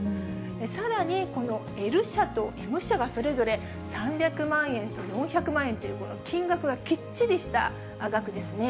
さらにこのＬ社とＭ社が、それぞれ３００万円と４００万円というこの金額がきっちりした額ですね。